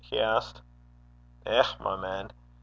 he asked. 'Eh, my man!